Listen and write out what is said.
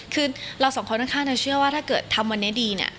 คือเราสองคนค่อนข้างจะเชื่อว่าถ้าเกิดทำวันนี้ดีเนี่ย